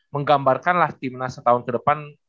menggambarkan lah timnas setahun ke depan